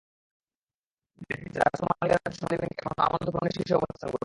দেখা গেছে, রাষ্ট্রমালিকানাধীন সোনালী ব্যাংক এখনো আমানত গ্রহণে শীর্ষে অবস্থান করছে।